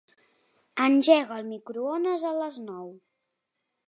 Engega el microones a les nou.